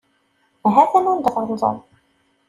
Hatan anda tɣelḍeḍ.